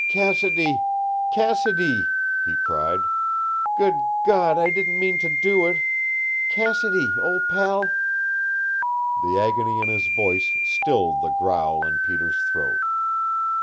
"Cassidy Cassidy " he cried. "Good God, I didn't mean to do it! Cassidy, old pal " The agony in his voice stilled the growl in Peter's throat.